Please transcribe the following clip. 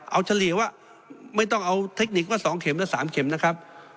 เอาเฉลี่ยว่าไม่ต้องเอาเทคนิคว่า๒เข็มและ๓เข็มนะครับ